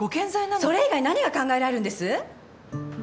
それ以外何が考えられるんです？